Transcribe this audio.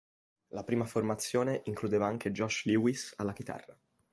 La prima formazione includeva anche Josh Lewis alla chitarra.